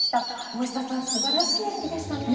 大下さん素晴らしい演技でしたね。